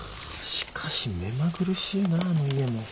しかし目まぐるしいなあの家も。